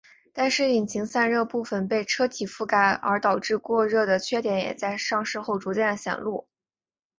但是引擎散热部份被车体覆盖而导致过热的缺点也在上市后逐渐显露。